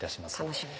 楽しみ。